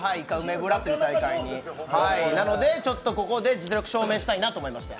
なので、ちょっとここで実力を証明したいなと思いまして。